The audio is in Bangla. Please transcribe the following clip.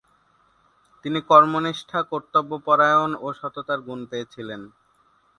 তিনি কর্মনিষ্ঠা, কর্তব্য পরায়ন ও সততার গুন পেয়েছিলেন।